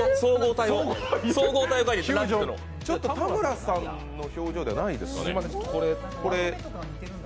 ちょっと田村さんの表情じゃないですね。